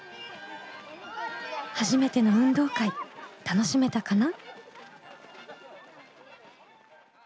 初めての運動会楽しめたかな？